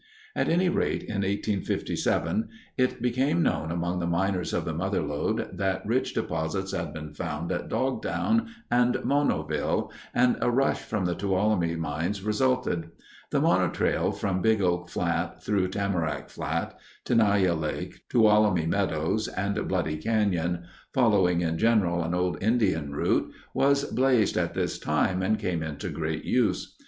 At any rate, in 1857 it became known among the miners of the Mother Lode that rich deposits had been found at "Dogtown" and Monoville, and a rush from the Tuolumne mines resulted. The Mono Trail from Big Oak Flat, through Tamarack Flat, Tenaya Lake, Tuolumne Meadows, and Bloody Canyon, following in general an old Indian route, was blazed at this time and came into great use.